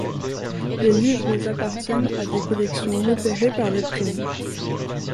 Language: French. Les livres appartiennent à des collections repérées par des prénoms.